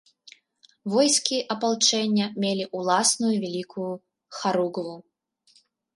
Войскі апалчэння мелі ўласную вялікую харугву.